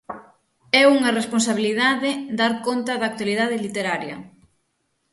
É unha responsabilidade dar conta da actualidade literaria.